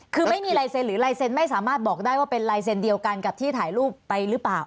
คือไม่มีลายเซ็นหรือลายเซ็นต์ไม่สามารถบอกได้ว่าเป็นลายเซ็นต์เดียวกันกับที่ถ่ายรูปไปหรือเปล่า